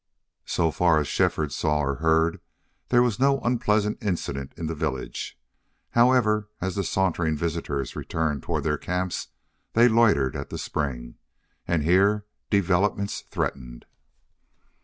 So far as Shefford saw or heard there was no unpleasant incident in the village; however, as the sauntering visitors returned toward their camps they loitered at the spring, and here developments threatened.